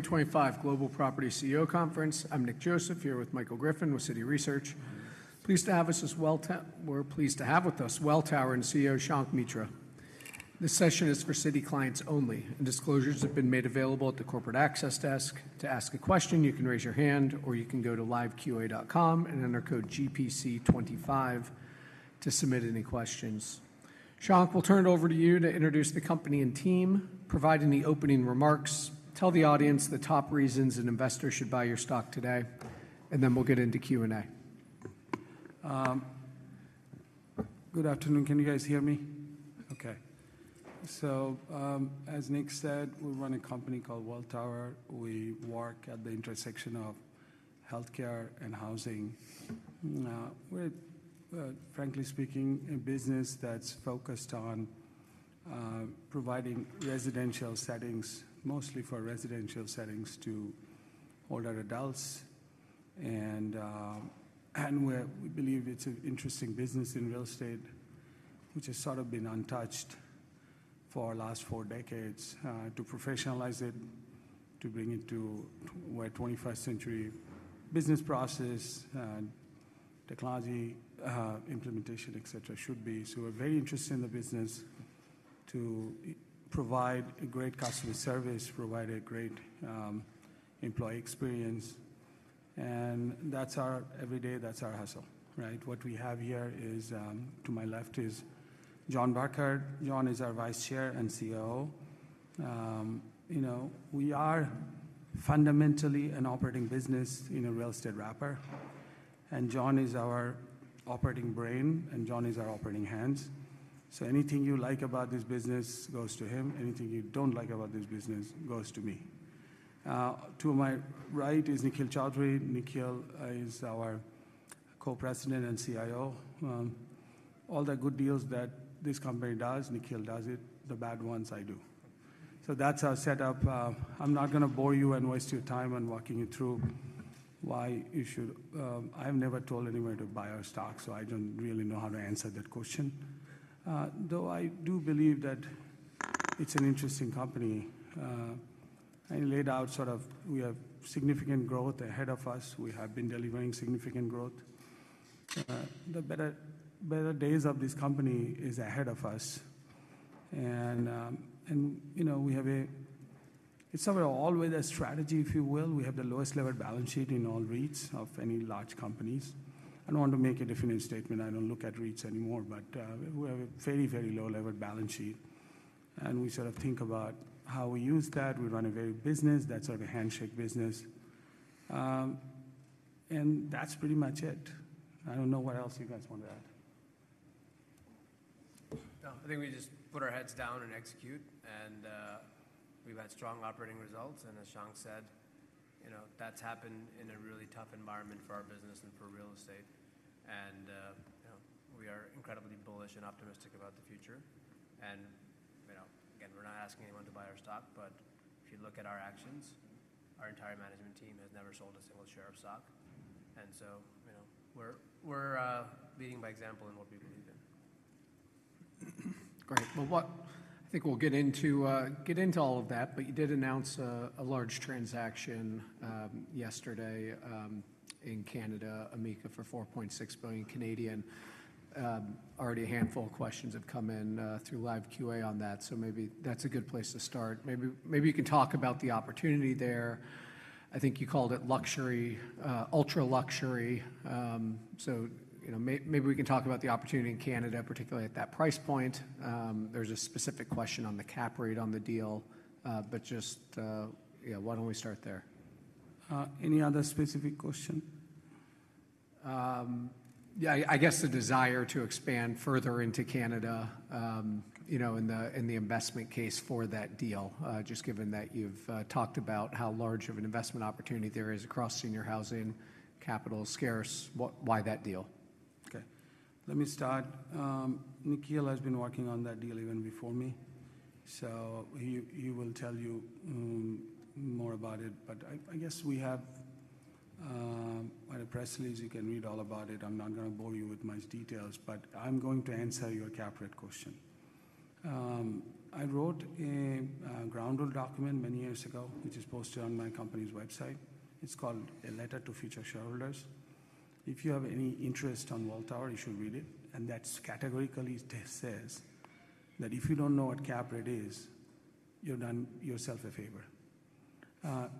2025 Global Property CEO Conference. I'm Nick Joseph here with Michael Griffin with Citi Research. Pleased to have us as well, we're pleased to have with us Welltower and CEO Shankh Mitra. This session is for Citi clients only, and disclosures have been made available at the corporate access desk. To ask a question, you can raise your hand, or you can go to live.qa.com and enter code GPC25 to submit any questions. Shankh, we'll turn it over to you to introduce the company and team, provide any opening remarks, tell the audience the top reasons an investor should buy your stock today, and then we'll get into Q&A. Good afternoon. Can you guys hear me? Okay. So, as Nick said, we run a company called Welltower. We work at the intersection of healthcare and housing. We're, frankly speaking, a business that's focused on providing residential settings, mostly for residential settings, to older adults. And we believe it's an interesting business in real estate, which has sort of been untouched for the last four decades, to professionalize it, to bring it to where 21st-century business process, technology implementation, etc., should be. So we're very interested in the business to provide a great customer service, provide a great employee experience. And that's our every day, that's our hustle, right? What we have here is, to my left is John Burkart. John is our Vice Chair and COO. You know, we are fundamentally an operating business in a real estate wrapper, and John is our operating brain, and John is our operating hands. So anything you like about this business goes to him. Anything you don't like about this business goes to me. To my right is Nikhil Chaudhri. Nikhil is our Co-President and CIO. All the good deals that this company does, Nikhil does it. The bad ones, I do. So that's our setup. I'm not going to bore you and waste your time on walking you through why you should. I've never told anyone to buy our stock, so I don't really know how to answer that question. Though I do believe that it's an interesting company. I laid out sort of we have significant growth ahead of us. We have been delivering significant growth. The better days of this company are ahead of us. You know, we have a. It's sort of always a strategy, if you will. We have the lowest levered balance sheet in all REITs of any large companies. I don't want to make a definite statement. I don't look at REITs anymore, but we have a very, very low levered balance sheet. We sort of think about how we use that. We run a very business that's sort of a handshake business. That's pretty much it. I don't know what else you guys want to add. I think we just put our heads down and execute. And we've had strong operating results. And as Shankh said, you know, that's happened in a really tough environment for our business and for real estate. And we are incredibly bullish and optimistic about the future. And, you know, again, we're not asking anyone to buy our stock, but if you look at our actions, our entire management team has never sold a single share of stock. And so, you know, we're leading by example in what we believe in. Great. Well, I think we'll get into all of that. But you did announce a large transaction yesterday in Canada, Amica, for 4.6 billion. Already a handful of questions have come in through live Q&A on that, so maybe that's a good place to start. Maybe you can talk about the opportunity there. I think you called it luxury, ultra luxury. So, you know, maybe we can talk about the opportunity in Canada, particularly at that price point. There's a specific question on the cap rate on the deal, but just, yeah, why don't we start there? Any other specific question? Yeah, I guess the desire to expand further into Canada, you know, in the investment case for that deal, just given that you've talked about how large of an investment opportunity there is across senior housing capital scarce. Why that deal? Okay. Let me start. Nikhil has been working on that deal even before me, so he will tell you more about it. But I guess we have quite a press release. You can read all about it. I'm not going to bore you with much details, but I'm going to answer your cap rate question. I wrote a ground rule document many years ago, which is posted on my company's website. It's called a letter to future shareholders. If you have any interest on Welltower, you should read it. And that categorically says that if you don't know what cap rate is, you've done yourself a favor.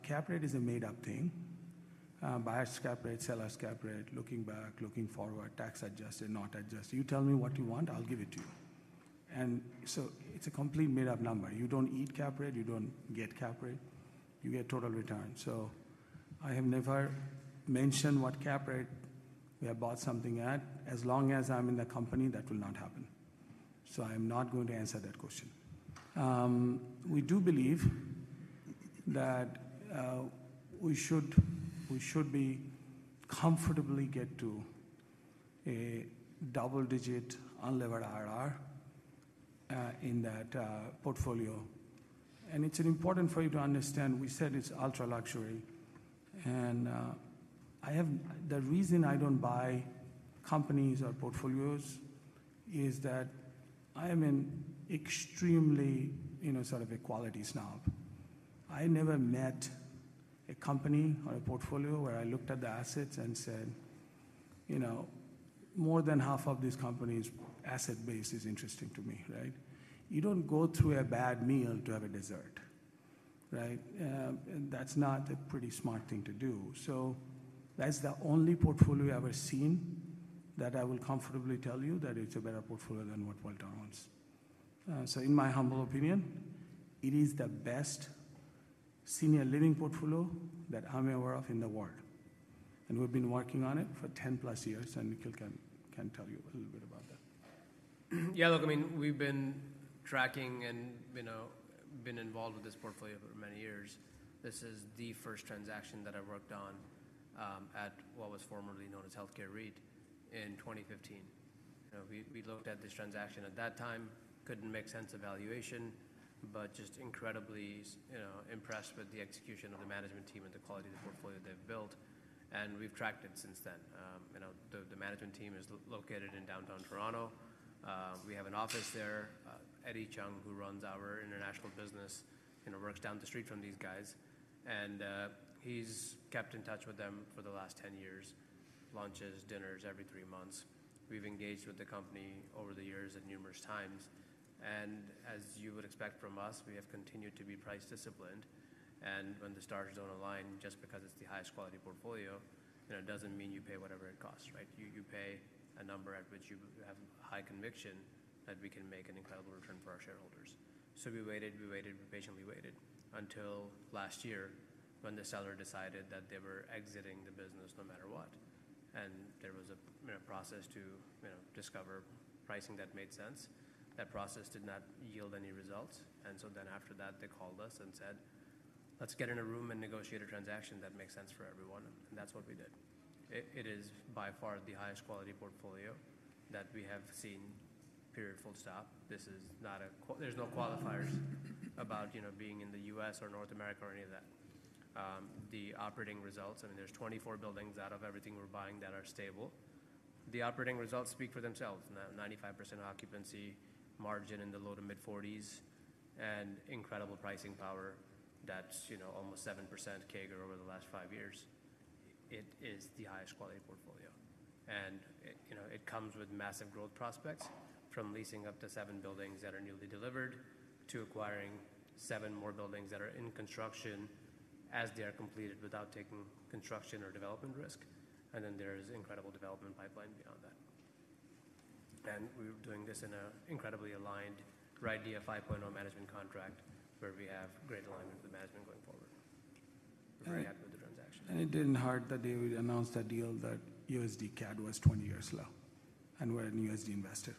Cap rate is a made-up thing. Buyer's cap rate, seller's cap rate, looking back, looking forward, tax adjusted, not adjusted. You tell me what you want, I'll give it to you. And so it's a complete made-up number. You don't eat cap rate. You don't get cap rate. You get total return. So I have never mentioned what cap rate we have bought something at. As long as I'm in the company, that will not happen. So I'm not going to answer that question. We do believe that we should be comfortably get to a double-digit unlevered IRR in that portfolio. And it's important for you to understand we said it's ultra luxury. And the reason I don't buy companies or portfolios is that I am in extremely, you know, sort of quality snob. I never met a company or a portfolio where I looked at the assets and said, you know, more than half of these companies' asset base is interesting to me, right? You don't go through a bad meal to have a dessert, right? That's not a pretty smart thing to do. That's the only portfolio I've ever seen that I will comfortably tell you that it's a better portfolio than what Welltower wants. In my humble opinion, it is the best senior living portfolio that I'm aware of in the world. We've been working on it for 10+ years, and Nikhil can tell you a little bit about that. Yeah, look, I mean, we've been tracking and, you know, been involved with this portfolio for many years. This is the first transaction that I worked on at what was formerly known as Health Care REIT in 2015. You know, we looked at this transaction at that time, couldn't make sense of valuation, but just incredibly, you know, impressed with the execution of the management team and the quality of the portfolio they've built. And we've tracked it since then. You know, the management team is located in downtown Toronto. We have an office there. Eddie Chung, who runs our international business, you know, works down the street from these guys. And he's kept in touch with them for the last 10 years, lunches, dinners every three months. We've engaged with the company over the years at numerous times. And as you would expect from us, we have continued to be price disciplined. And when the stars don't align, just because it's the highest quality portfolio, you know, it doesn't mean you pay whatever it costs, right? You pay a number at which you have high conviction that we can make an incredible return for our shareholders. So we waited, we waited, we patiently waited until last year when the seller decided that they were exiting the business no matter what. And there was a process to, you know, discover pricing that made sense. That process did not yield any results. And so then after that, they called us and said, "Let's get in a room and negotiate a transaction that makes sense for everyone." And that's what we did. It is by far the highest quality portfolio that we have seen. Period. Full stop. There's no qualifiers about, you know, being in the U.S. or North America or any of that. The operating results, I mean, there's 24 buildings out of everything we're buying that are stable. The operating results speak for themselves. 95% occupancy margin in the low to mid-40s and incredible pricing power. That's, you know, almost 7% CAGR over the last five years. It is the highest quality portfolio. And, you know, it comes with massive growth prospects from leasing up to seven buildings that are newly delivered to acquiring seven more buildings that are in construction as they are completed without taking construction or development risk. And then there is incredible development pipeline beyond that. And we're doing this in an incredibly aligned RIDEA 5.0 management contract where we have great alignment with the management going forward. We're very happy with the transaction. It didn't hurt that they announced a deal that USD CAD was a 20-year low. We're a USD investor.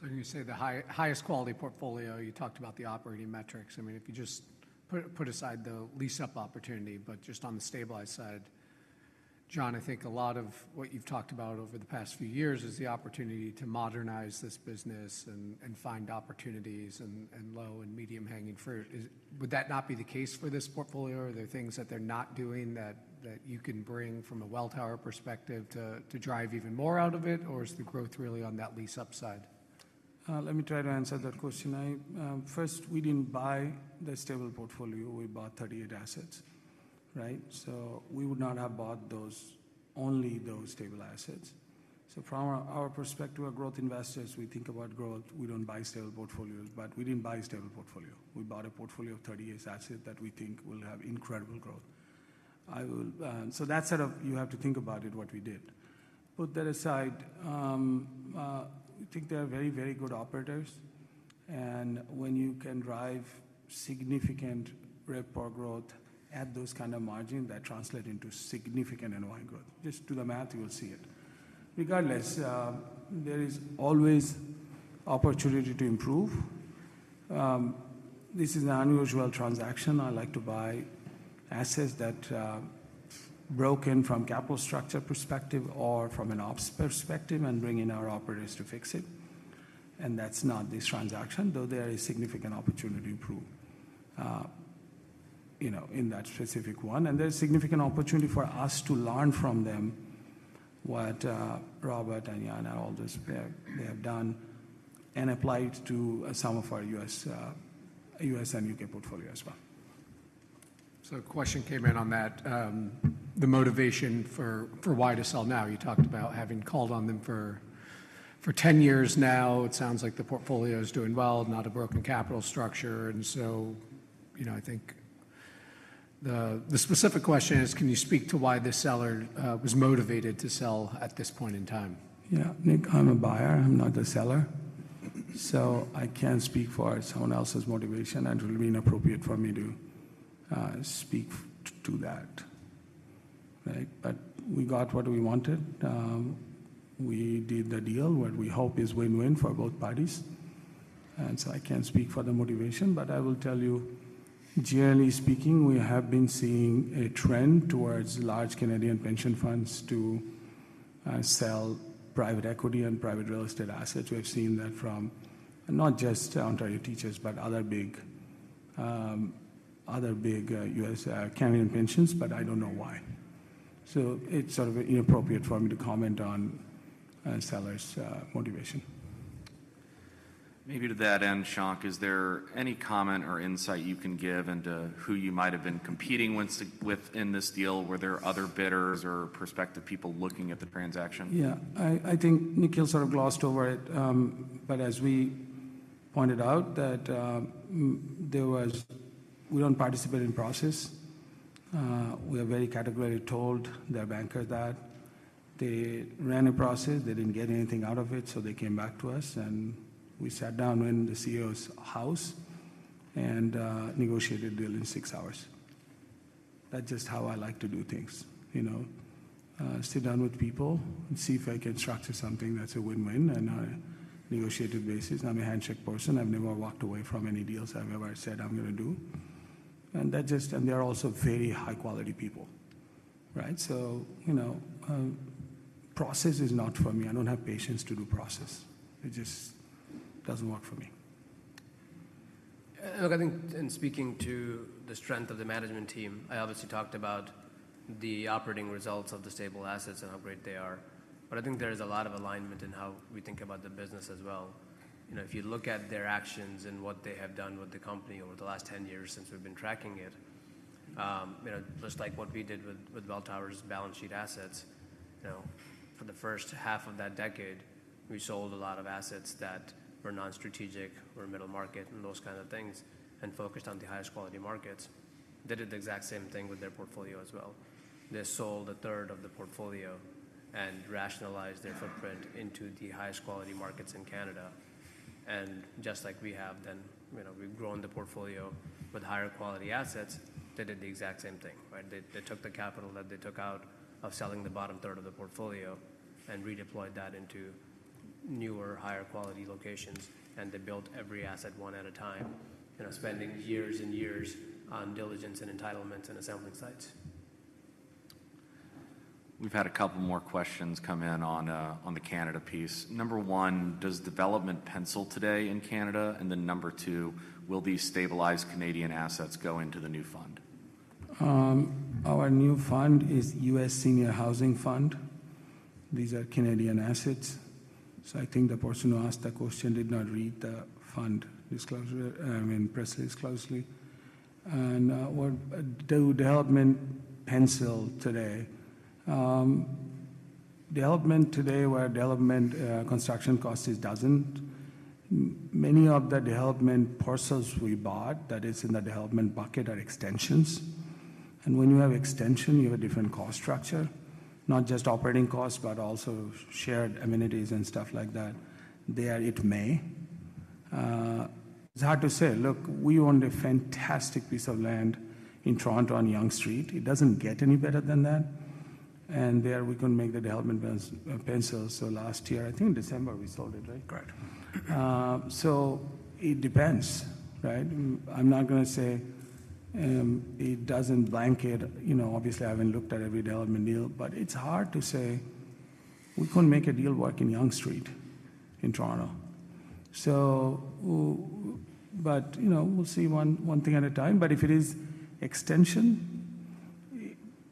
So you say the highest quality portfolio, you talked about the operating metrics. I mean, if you just put aside the lease-up opportunity, but just on the stabilized side, John, I think a lot of what you've talked about over the past few years is the opportunity to modernize this business and find opportunities and low and medium-hanging fruit. Would that not be the case for this portfolio? Are there things that they're not doing that you can bring from a Welltower perspective to drive even more out of it? Or is the growth really on that lease-up side? Let me try to answer that question. First, we didn't buy the stable portfolio. We bought 38 assets, right? So we would not have bought only those stable assets. So from our perspective of growth investors, we think about growth. We don't buy stable portfolios, but we didn't buy a stable portfolio. We bought a portfolio of 38 assets that we think will have incredible growth. So that's sort of - you have to think about it, what we did. Put that aside, we think they are very, very good operators, and when you can drive significant RevPAR growth at those kind of margins, that translates into significant underlying growth. Just do the math, you'll see it. Regardless, there is always opportunity to improve. This is an unusual transaction. I like to buy assets that broke in from a capital structure perspective or from an ops perspective and bring in our operators to fix it, and that's not this transaction, though there is significant opportunity to improve, you know, in that specific one, and there's significant opportunity for us to learn from them what Robert and Yana all those they have done and applied to some of our U.S. and U.K. portfolio as well. So a question came in on that. The motivation for why to sell now. You talked about having called on them for 10 years now. It sounds like the portfolio is doing well, not a broken capital structure. And so, you know, I think the specific question is, can you speak to why this seller was motivated to sell at this point in time? Yeah. I'm a buyer. I'm not a seller. So I can't speak for someone else's motivation. It wouldn't be appropriate for me to speak to that, right? But we got what we wanted. We did the deal. What we hope is win-win for both parties. And so I can't speak for the motivation, but I will tell you, generally speaking, we have been seeing a trend towards large Canadian pension funds to sell private equity and private real estate assets. We've seen that from not just Ontario Teachers, but other big Canadian pensions, but I don't know why. So it's sort of inappropriate for me to comment on sellers' motivation. Maybe to that end, Shankh, is there any comment or insight you can give into who you might have been competing with in this deal? Were there other bidders or prospective people looking at the transaction? Yeah. I think Nikhil sort of glossed over it, but as we pointed out that there was - we don't participate in process. We are very categorically told by our bankers that they ran a process. They didn't get anything out of it, so they came back to us. And we sat down in the CEO's house and negotiated the deal in six hours. That's just how I like to do things, you know? Sit down with people and see if I can structure something that's a win-win on a negotiated basis. I'm a handshake person. I've never walked away from any deals I've ever said I'm going to do. And that just - and they're also very high-quality people, right? So, you know, process is not for me. I don't have patience to do process. It just doesn't work for me. Look, I think in speaking to the strength of the management team, I obviously talked about the operating results of the stable assets and how great they are. But I think there is a lot of alignment in how we think about the business as well. You know, if you look at their actions and what they have done with the company over the last 10 years since we've been tracking it, you know, just like what we did with Welltower's balance sheet assets, you know, for the first half of that decade, we sold a lot of assets that were non-strategic or middle market and those kind of things and focused on the highest quality markets. They did the exact same thing with their portfolio as well. They sold a third of the portfolio and rationalized their footprint into the highest quality markets in Canada. And just like we have then, you know, we've grown the portfolio with higher quality assets. They did the exact same thing, right? They took the capital that they took out of selling the bottom third of the portfolio and redeployed that into newer, higher quality locations. And they built every asset one at a time, you know, spending years and years on diligence and entitlements and assembling sites. We've had a couple more questions come in on the Canada piece. Number one, does development pencil today in Canada? And then number two, will these stabilized Canadian assets go into the new fund? Our new fund is U.S. Senior Housing Fund. These are Canadian assets. So I think the person who asked that question did not read the fund disclosure, I mean, press release closely. And what does development pencil today? Development today, where development construction cost is down, many of the development parcels we bought that is in the development bucket are extensions. And when you have extension, you have a different cost structure, not just operating costs, but also shared amenities and stuff like that. There it may. It's hard to say. Look, we owned a fantastic piece of land in Toronto on Yonge Street. It doesn't get any better than that. And there we couldn't make the development pencil. So last year, I think in December, we sold it, right? Correct. So it depends, right? I'm not going to say it doesn't blanket, you know, obviously I haven't looked at every development deal, but it's hard to say we couldn't make a deal work in Yonge Street in Toronto. So, but, you know, we'll see one thing at a time. But if it is extension,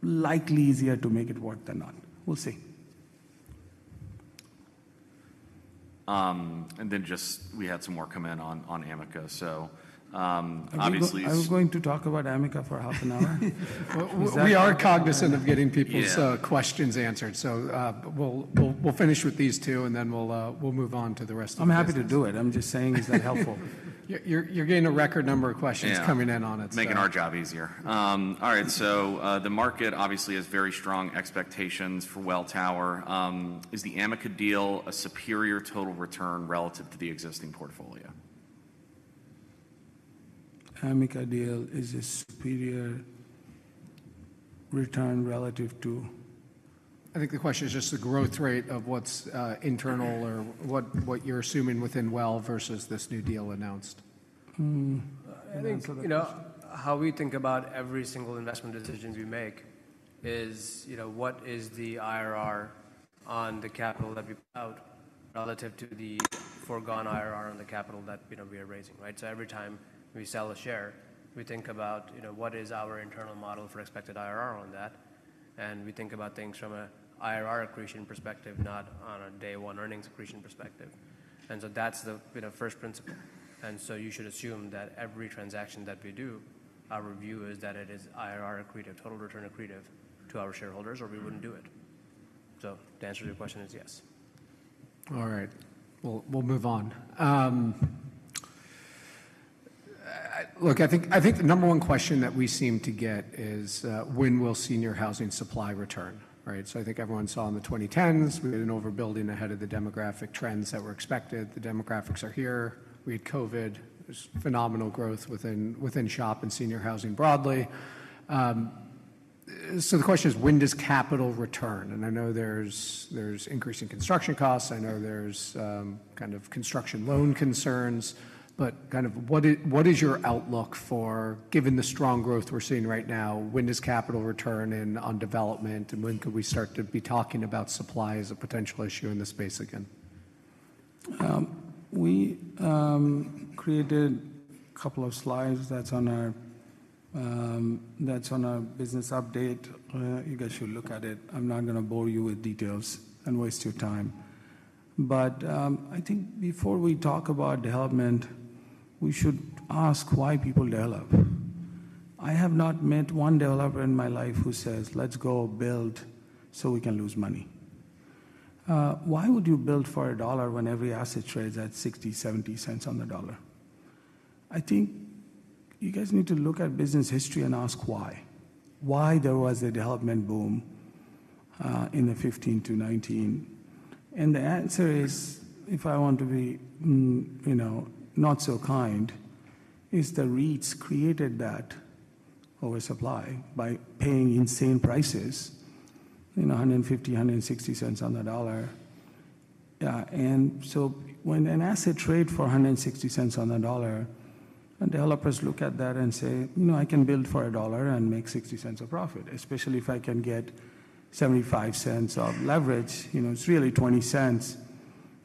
likely easier to make it work than not. We'll see. And then just, we had some more come in on Amica. So obviously. I was going to talk about Amica for half an hour. We are cognizant of getting people's questions answered. So we'll finish with these two and then we'll move on to the rest of the questions. I'm happy to do it. I'm just saying, is that helpful? You're getting a record number of questions coming in on it. Making our job easier. All right. So the market obviously has very strong expectations for Welltower. Is the Amica deal a superior total return relative to the existing portfolio? Amica deal is a superior return relative to. I think the question is just the growth rate of what's internal or what you're assuming within Well versus this new deal announced. I think, you know, how we think about every single investment decision we make is, you know, what is the IRR on the capital that we put out relative to the foregone IRR on the capital that, you know, we are raising, right? So every time we sell a share, we think about, you know, what is our internal model for expected IRR on that. And we think about things from an IRR accretion perspective, not on a day one earnings accretion perspective. And so that's the, you know, first principle. And so you should assume that every transaction that we do, our review is that it is IRR accretive, total return accretive to our shareholders, or we wouldn't do it. So the answer to your question is yes. All right. Well, we'll move on. Look, I think the number one question that we seem to get is when will senior housing supply return, right? So I think everyone saw in the 2010s, we had an overbuilding ahead of the demographic trends that were expected. The demographics are here. We had COVID. There's phenomenal growth within SHOP and senior housing broadly. So the question is, when does capital return? And I know there's increasing construction costs. I know there's kind of construction loan concerns. But kind of what is your outlook for, given the strong growth we're seeing right now, when does capital return in on development and when could we start to be talking about supply as a potential issue in the space again? We created a couple of slides that's on our business update. You guys should look at it. I'm not going to bore you with details and waste your time. But I think before we talk about development, we should ask why people develop. I have not met one developer in my life who says, "Let's go build so we can lose money." Why would you build for a dollar when every asset trades at $0.6-$0.7 on the dollar? I think you guys need to look at business history and ask why. Why there was a development boom in the 2015 to 2019? And the answer is, if I want to be, you know, not so kind, is the REITs created that oversupply by paying insane prices in $1.5-$1.6 on the dollar. Yeah. And so when an asset trades for $1.6 on the dollar, developers look at that and say, you know, I can build for a dollar and make $0.6 of profit, especially if I can get $0.75 of leverage. You know, it's really $0.2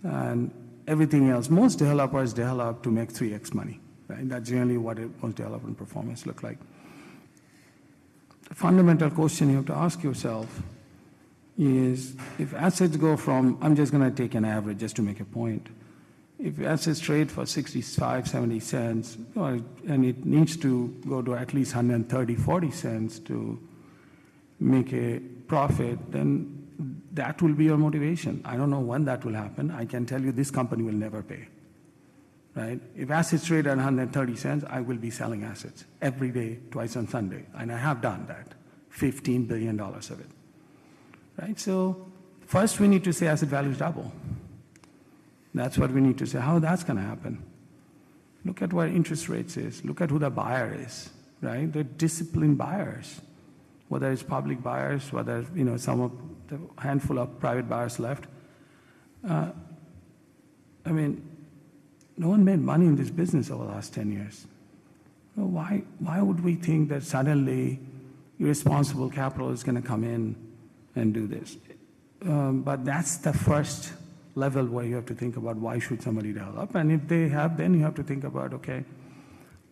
and everything else. Most developers develop to make 3X money, right? That's generally what most development performance looks like. The fundamental question you have to ask yourself is, if assets go from, I'm just going to take an average just to make a point, if assets trade for $0.65-$0.7 and it needs to go to at least $1.3-$1.4 to make a profit, then that will be your motivation. I don't know when that will happen. I can tell you this company will never pay, right? If assets trade at $1.3, I will be selling assets every day, twice on Sunday. And I have done that, $15 billion of it, right? So first we need to say asset values double. That's what we need to say. How that's going to happen? Look at what interest rates is. Look at who the buyer is, right? They're disciplined buyers, whether it's public buyers, whether it's, you know, some of the handful of private buyers left. I mean, no one made money in this business over the last 10 years. Why would we think that suddenly irresponsible capital is going to come in and do this? But that's the first level where you have to think about why should somebody develop. And if they have, then you have to think about, okay,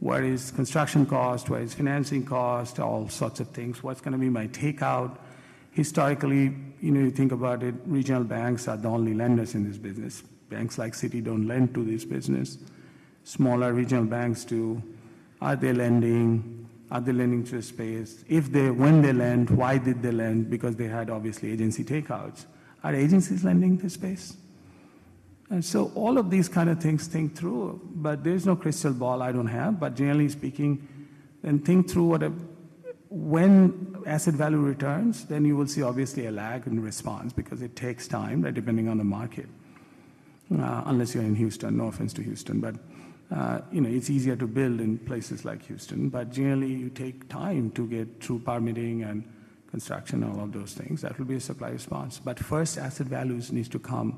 what is construction cost, what is financing cost, all sorts of things. What's going to be my takeout? Historically, you know, you think about it, regional banks are the only lenders in this business. Banks like Citi don't lend to this business. Smaller regional banks do. Are they lending? Are they lending to a space? If they, when they lend, why did they lend? Because they had obviously agency takeouts. Are agencies lending to space? And so all of these kind of things, think through. But there's no crystal ball I don't have. But generally speaking, then think through what a, when asset value returns, then you will see obviously a lag in response because it takes time, right, depending on the market. Unless you're in Houston, no offense to Houston, but, you know, it's easier to build in places like Houston. But generally you take time to get through permitting and construction and all of those things. That will be a supply response. But first, asset values need to come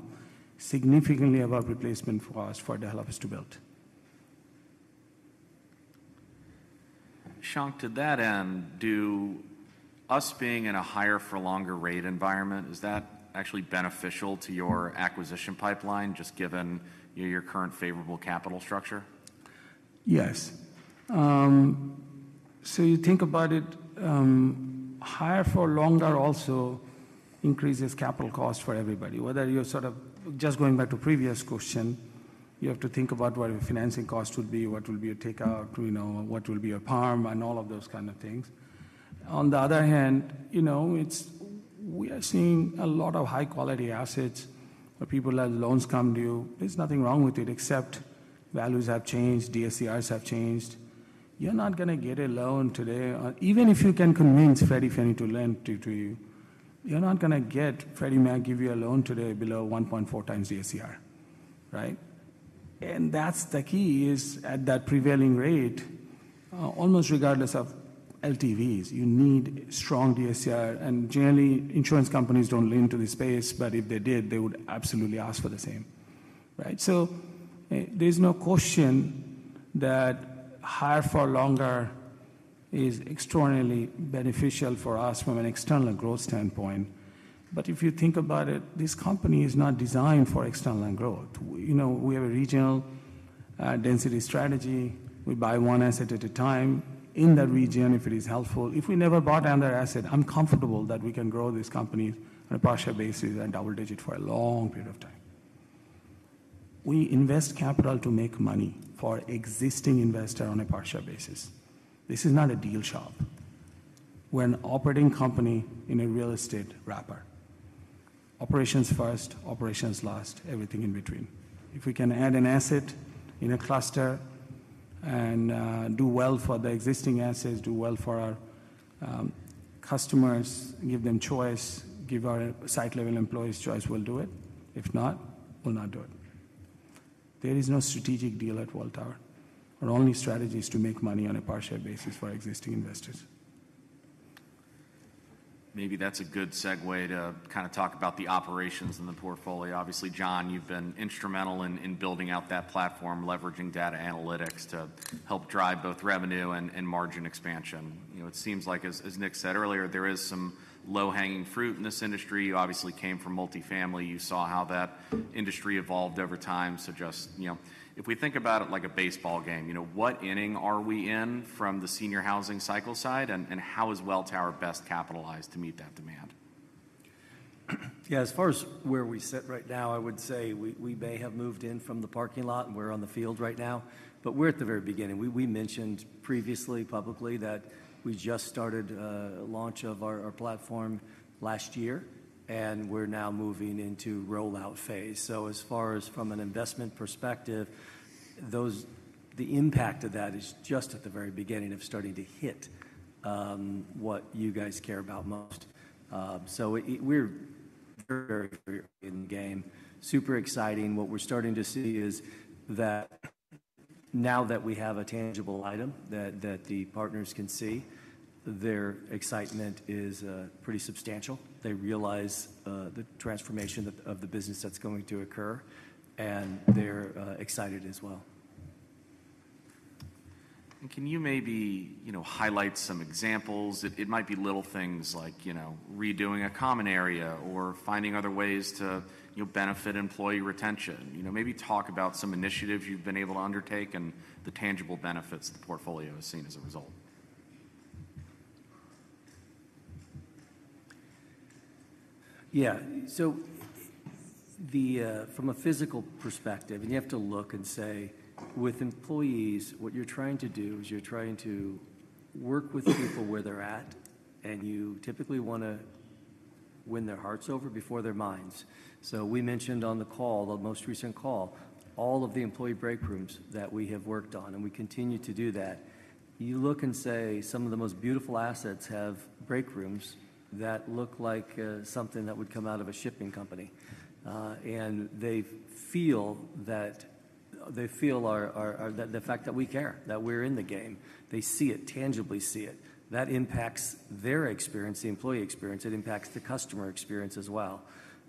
significantly above replacement cost for developers to build. Shankh, to that end, does our being in a higher-for-longer rate environment, is that actually beneficial to your acquisition pipeline just given your current favorable capital structure? Yes. So you think about it, higher for longer also increases capital cost for everybody. Whether you're sort of just going back to previous question, you have to think about what your financing cost would be, what will be your takeout, you know, what will be your perm and all of those kind of things. On the other hand, you know, we are seeing a lot of high quality assets where people have loans come due. There's nothing wrong with it except values have changed, DSCRs have changed. You're not going to get a loan today. Even if you can convince Fannie and Freddie to lend to you, you're not going to get Freddie Mac give you a loan today below 1.4 times DSCR, right? And that's the key is at that prevailing rate, almost regardless of LTVs, you need strong DSCR. And generally insurance companies don't lend to the space, but if they did, they would absolutely ask for the same, right? So there's no question that higher for longer is extraordinarily beneficial for us from an external growth standpoint. But if you think about it, this company is not designed for external growth. You know, we have a regional density strategy. We buy one asset at a time in that region if it is helpful. If we never bought another asset, I'm comfortable that we can grow this company on a portfolio basis and double-digit for a long period of time. We invest capital to make money for existing investor on a portfolio basis. This is not a deal SHOP. We're an operating company in a real estate wrapper. Operations first, operations last, everything in between. If we can add an asset in a cluster and do well for the existing assets, do well for our customers, give them choice, give our site level employees choice, we'll do it. If not, we'll not do it. There is no strategic deal at Welltower. Our only strategy is to make money on a partial basis for existing investors. Maybe that's a good segue to kind of talk about the operations and the portfolio. Obviously, John, you've been instrumental in building out that platform, leveraging data analytics to help drive both revenue and margin expansion. You know, it seems like, as Nick said earlier, there is some low hanging fruit in this industry. You obviously came from multifamily. You saw how that industry evolved over time. So just, you know, if we think about it like a baseball game, you know, what inning are we in from the senior housing cycle side and how is Welltower best capitalized to meet that demand? Yeah, as far as where we sit right now, I would say we may have moved in from the parking lot and we're on the field right now, but we're at the very beginning. We mentioned previously publicly that we just started a launch of our platform last year and we're now moving into rollout phase. So as far as from an investment perspective, the impact of that is just at the very beginning of starting to hit what you guys care about most. So we're very, very in game. Super exCiting. What we're starting to see is that now that we have a tangible item that the partners can see, their excitement is pretty substantial. They realize the transformation of the business that's going to occur and they're excited as well. Can you maybe, you know, highlight some examples? It might be little things like, you know, redoing a common area or finding other ways to, you know, benefit employee retention. You know, maybe talk about some initiatives you've been able to undertake and the tangible benefits the portfolio has seen as a result. Yeah. So from a physical perspective, and you have to look and say with employees, what you're trying to do is you're trying to work with people where they're at and you typically want to win their hearts over before their minds. So we mentioned on the call, the most recent call, all of the employee break rooms that we have worked on and we continue to do that. You look and say some of the most beautiful assets have break rooms that look like something that would come out of a shipping company. And they feel that they feel the fact that we care, that we're in the game. They see it, tangibly see it. That impacts their experience, the employee experience. It impacts the customer experience as well.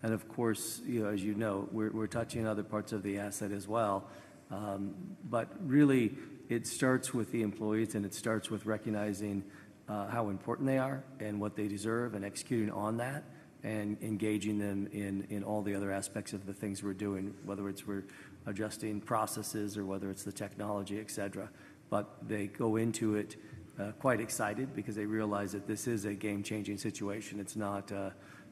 And of course, you know, as you know, we're touching other parts of the asset as well. But really it starts with the employees and it starts with recognizing how important they are and what they deserve and executing on that and engaging them in all the other aspects of the things we're doing, whether it's we're adjusting processes or whether it's the technology, et cetera. But they go into it quite excited because they realize that this is a game changing situation. It's not,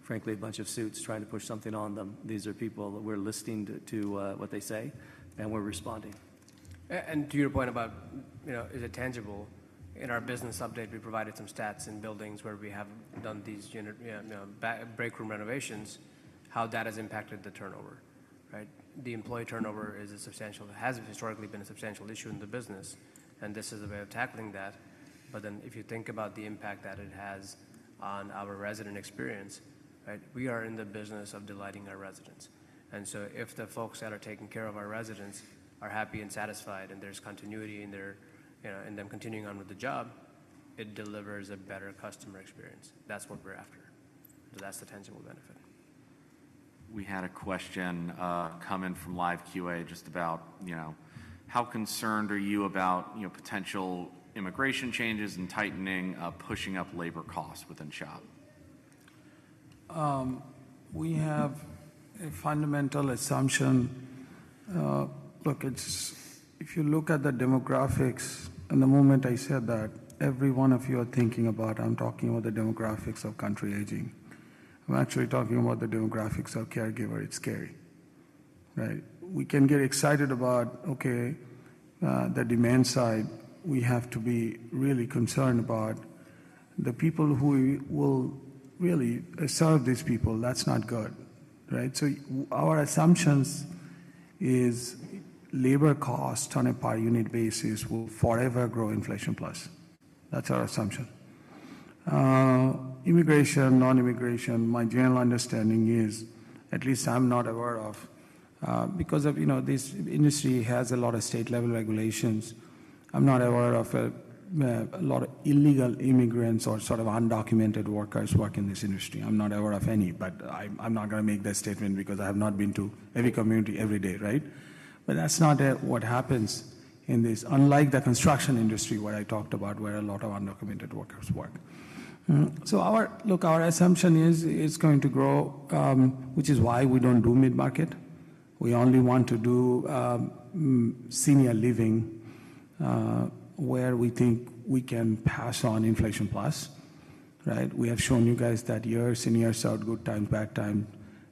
frankly, a bunch of suits trying to push something on them. These are people that we're listening to what they say and we're responding. And to your point about, you know, is it tangible? In our business update, we provided some stats in buildings where we have done these break room renovations, how that has impacted the turnover, right? The employee turnover has historically been a substantial issue in the business. And this is a way of tackling that. But then if you think about the impact that it has on our resident experience, right, we are in the business of delighting our residents. And so if the folks that are taking care of our residents are happy and satisfied and there's continuity in their, you know, in them continuing on with the job, it delivers a better customer experience. That's what we're after. So that's the tangible benefit. We had a question come in from live QA just about, you know, how concerned are you about, you know, potential immigration changes and tightening, pushing up labor costs within SHOP? We have a fundamental assumption. Look, if you look at the demographics in the moment I said that, every one of you are thinking about. I'm talking about the demographics of the country's aging. I'm actually talking about the demographics of caregivers. It's scary, right? We can get excited about, okay, the demand side. We have to be really concerned about the people who will really serve these people. That's not good, right? So our assumption is labor cost on a per unit basis will forever grow inflation plus. That's our assumption. Immigration, non-immigration, my general understanding is, at least I'm not aware of, because of, you know, this industry has a lot of state level regulations. I'm not aware of a lot of illegal immigrants or sort of undocumented workers working in this industry. I'm not aware of any, but I'm not going to make that statement because I have not been to every community every day, right? But that's not what happens in this, unlike the construction industry where I talked about, where a lot of undocumented workers work. So our, look, our assumption is it's going to grow, which is why we don't do mid-market. We only want to do senior living where we think we can pass on inflation plus, right? We have shown you guys that your seniors are good times, bad times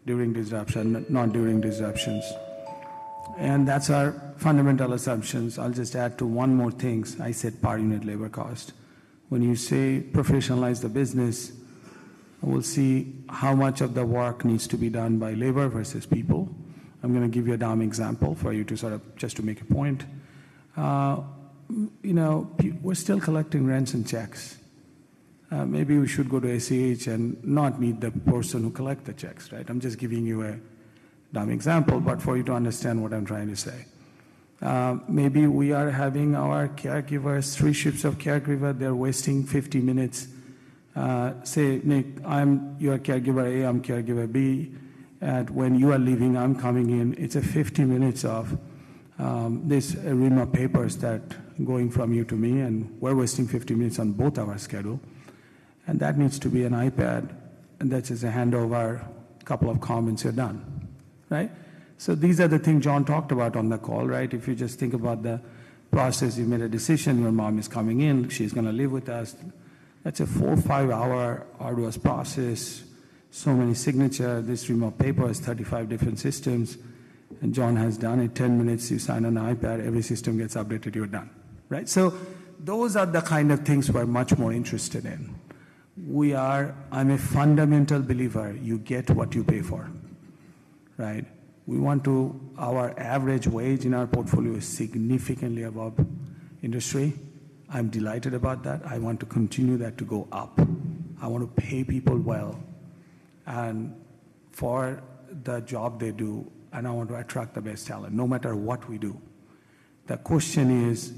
during disruption, not during disruptions. And that's our fundamental assumptions. I'll just add to one more thing. I said per unit labor cost. When you say professionalize the business, we'll see how much of the work needs to be done by labor versus people. I'm going to give you a dumb example for you to sort of just to make a point. You know, we're still collecting rents and checks. Maybe we should go to ACH and not meet the person who collects the checks, right? I'm just giving you a dumb example, but for you to understand what I'm trying to say. Maybe we are having our caregivers, three shifts of caregiver, they're wasting 50 minutes. Say, Nick, I'm your caregiver A, I'm caregiver B. And when you are leaving, I'm coming in. It's 50 minutes of this array of papers that are going from you to me, and we're wasting 50 minutes on both our schedules. And that needs to be an iPad, and that's just a handover, a couple of comments, you're done, right? So these are the things John talked about on the call, right? If you just think about the process, you made a decision, your mom is coming in, she's going to live with us. That's a four, five hour arduous process. So many signatures. This stream of paper has 35 different systems, and John has done it. 10 minutes, you sign an iPad, every system gets updated, you're done, right? Those are the kind of things we're much more interested in. We are, I'm a fundamental believer, you get what you pay for, right? We want to, our average wage in our portfolio is significantly above industry. I'm delighted about that. I want to continue that to go up. I want to pay people well for the job they do, and I want to attract the best talent no matter what we do. The question is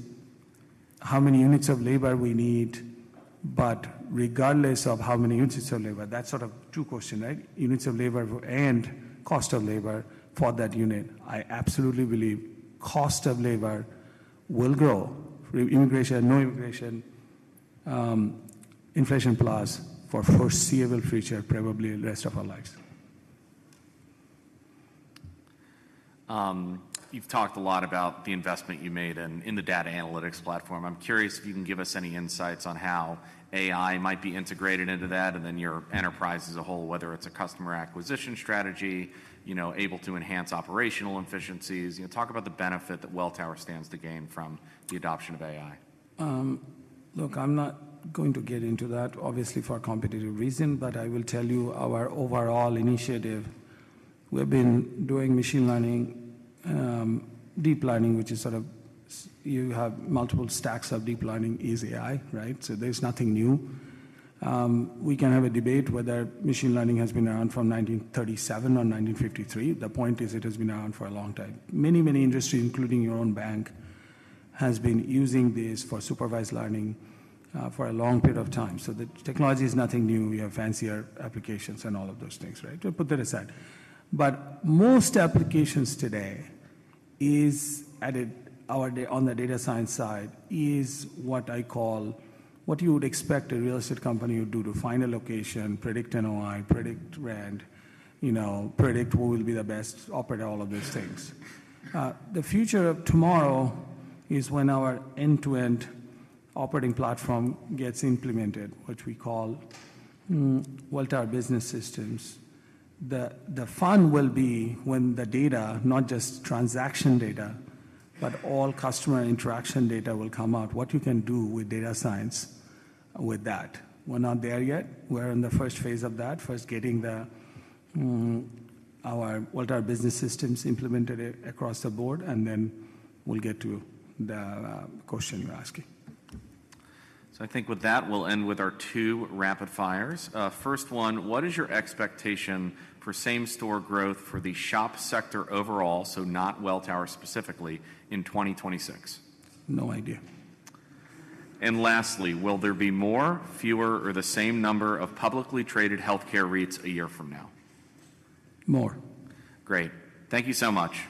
how many units of labor we need, but regardless of how many units of labor, that's sort of two questions, right? Units of labor and cost of labor for that unit. I absolutely believe cost of labor will grow. Immigration, no immigration, inflation plus for foreseeable future, probably the rest of our lives. You've talked a lot about the investment you made in the data analytics platform. I'm curious if you can give us any insights on how AI might be integrated into that and then your enterprise as a whole, whether it's a customer acquisition strategy, you know, able to enhance operational efficiencies. You know, talk about the benefit that Welltower stands to gain from the adoption of AI. Look, I'm not going to get into that, obviously for a competitive reason, but I will tell you our overall initiative. We've been doing machine learning, deep learning, which is sort of you have multiple stacks of deep learning is AI, right? So there's nothing new. We can have a debate whether machine learning has been around from 1937 or 1953. The point is it has been around for a long time. Many, many industries, including your own bank, have been using this for supervised learning for a long period of time. So the technology is nothing new. We have fancier applications and all of those things, right? So put that aside. But most applications today is added on the data science side is what I call what you would expect a real estate company would do to find a location, predict NOI, predict rent, you know, predict what will be the best operator, all of those things. The future of tomorrow is when our end-to-end operating platform gets implemented, which we call Welltower Business Systems. The fun will be when the data, not just transaction data, but all customer interaction data will come out, what you can do with data science with that. We're not there yet. We're in the first phase of that, first getting our Welltower Business Systems implemented across the board, and then we'll get to the question you're asking. So I think with that, we'll end with our two rapid fires. First one, what is your expectation for same store growth for the SHOP sector overall, so not Welltower specifically in 2026? No idea. Lastly, will there be more, fewer, or the same number of publicly traded healthcare REITs a year from now? More. Great. Thank you so much.